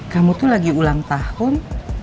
kamu tuh lagi ulang tahun